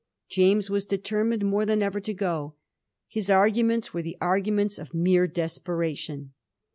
James was determined more than ever to go. His argu ments were the arguments of mere desperation.